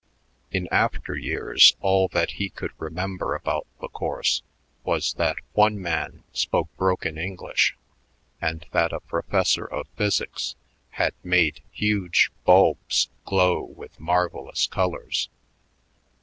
In after years all that he could remember about the course was that one man spoke broken English and that a professor of physics had made huge bulbs glow with marvelous colors.